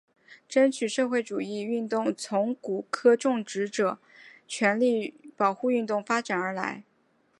争取社会主义运动从古柯种植者权利保护运动发展而来。